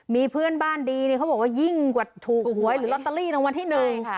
มีเพื่อนบ้านดีเนี่ยเขาบอกว่ายิ่งกว่าถูกหวยหรือลอตเตอรี่รางวัลที่หนึ่ง